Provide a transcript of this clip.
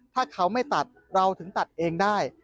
ถ้าเขาไม่ตัดเราถึงตัดเองได้